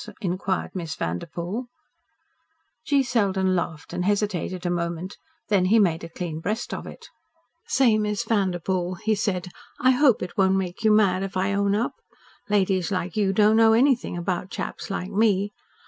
inquired Miss Vanderpoel. G. Selden laughed and hesitated a moment. Then he made a clean breast of it. "Say, Miss Vanderpoel," he said, "I hope it won't make you mad if I own up. Ladies like you don't know anything about chaps like me.